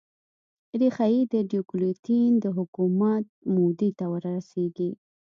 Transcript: ریښه یې د ډیوکلتین حکومت مودې ته ور رسېږي.